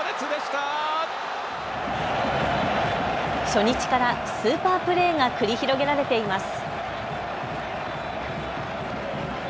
初日からスーパープレーが繰り広げられています。